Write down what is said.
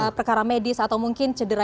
perkara medis atau mungkin cedera